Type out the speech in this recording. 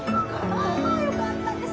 あよかったです。